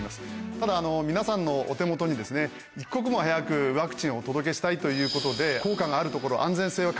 ただ皆さんのお手元に一刻も早くワクチンをお届けしたいということで。